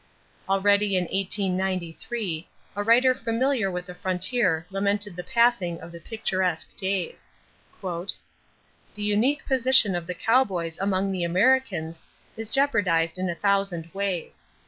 Already in 1893 a writer familiar with the frontier lamented the passing of the picturesque days: "The unique position of the cowboys among the Americans is jeopardized in a thousand ways.